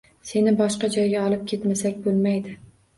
Seni boshqa joyga olib ketmasak, bo‘lmaydi